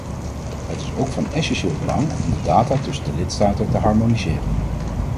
Het is ook van essentieel belang om de data tussen de lidstaten te harmoniseren.